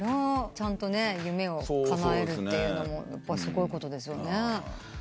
ちゃんと夢をかなえるっていうのもすごいことですよね。